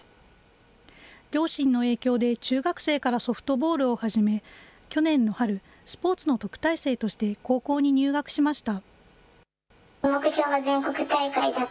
両親の影響で中学生からソフトボールを始め、去年の春、スポーツの特待生として高校に入学しました。